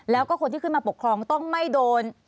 แล้วก็คนที่ขึ้นมาปกครองต้องไม่โดน